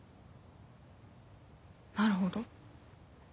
なるほど。